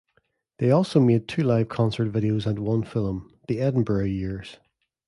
They also made two live concert videos and one film, "The Edinburgh Years".